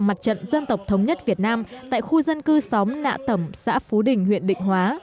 mặt trận dân tộc thống nhất việt nam tại khu dân cư xóm nạ tẩm xã phú đình huyện định hóa